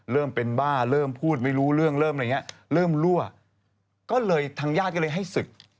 เริ่มเป็นบ้าเริ่มพูดไม่รู้เรื่องเริ่มอะไรอย่างเงี้ยเริ่มรั่วก็เลยทางญาติก็เลยให้ศึก